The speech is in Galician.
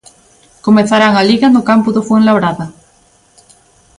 Comezarán a Liga no campo do Fuenlabrada.